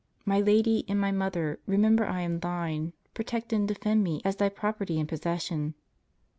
My Lady, and my Mother, remember I am thine; protect and defend me as thy property and possession.